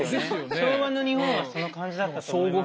昭和の日本はその感じだったと思います。